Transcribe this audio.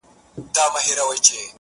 • وسله هغه ده چي په لاس کي وي -